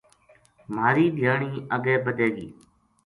مھاری دھیانی اَگے بَدھے گی